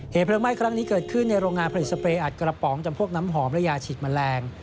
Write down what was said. เพลิงไหม้ครั้งนี้เกิดขึ้นในโรงงานผลิตสเปรย์อัดกระป๋องจำพวกน้ำหอมและยาฉีดแมลง